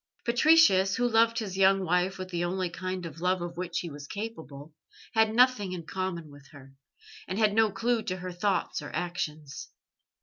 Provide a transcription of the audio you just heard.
Patricius, who loved his young wife with the only kind of love of which he was capable, had nothing in common with her, and had no clue to her thoughts or actions.